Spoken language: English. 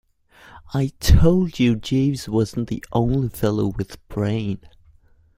I told you Jeeves wasn't the only fellow with brain.